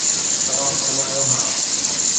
توهان فرمايو: ها